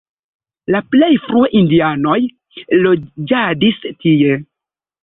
La plej frue indianoj loĝadis tie.